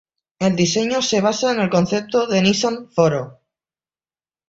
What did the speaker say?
El diseño se basa en el concepto de Nissan Foro.